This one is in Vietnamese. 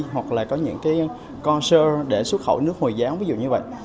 hoặc là có những cái corsair để xuất khẩu nước hồi giáo ví dụ như vậy